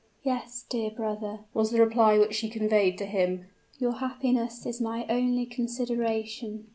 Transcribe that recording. "Yes, dear brother," was the reply which she conveyed to him: "your happiness is my only consideration."